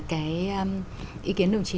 cái ý kiến đồng chí